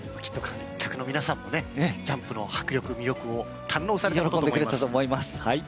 観客の皆さんもね、ジャンプの迫力魅力を堪能されたと思います。